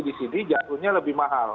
di sini jatuhnya lebih mahal